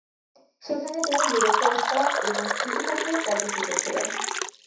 সেখানে তিনি directors cup এবং ইতিহাসে পদক জিতেছিলেন।